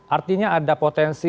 artinya ada potensi